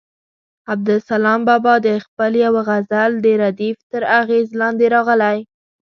عبدالسلام بابا د خپل یوه غزل د ردیف تر اغېز لاندې راغلی.